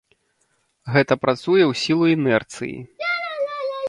Гэта працуе ў сілу інэрціі.